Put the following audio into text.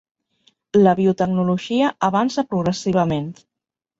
La biotecnologia avança progressivament.